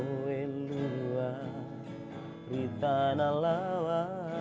oelua ditanah lawa